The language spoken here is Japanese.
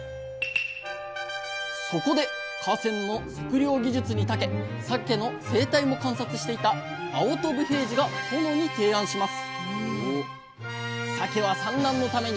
そこで河川の測量技術にたけさけの生態も観察していた青砥武平治が殿に提案します